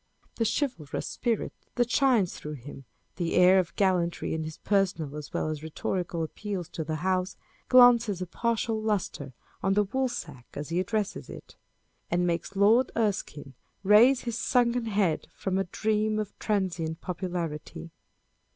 The chivalrous spirit that shines through him, the air of gallantry in his personal as well as rhetorical appeals to the House, glances a partial lustre on the Woolsack as he addresses it ; and makes Lord Erskine raise his sunken head from a dream of transient popularity.